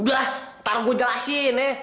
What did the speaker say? udah ntar gue jelasin ya